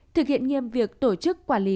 thực hiện nghiêm việc tổ chức quản lý